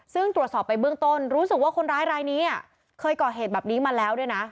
ซึ่งตรวจสอบไปเบื้องต้นรู้สึกว่าคนร้ายรายนี้เคยก่อเหตุแบบนี้มาแล้วด้วยนะ